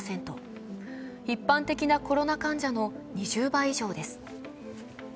一般的なコロナ患者の２０倍以上です。